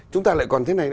chúng ta lại còn thế này